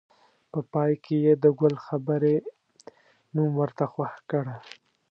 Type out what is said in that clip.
په پای کې یې د ګل خبرې نوم ورته خوښ کړ.